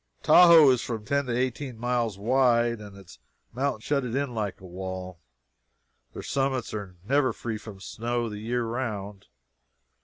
Tahoe is from ten to eighteen miles wide, and its mountains shut it in like a wall. Their summits are never free from snow the year round.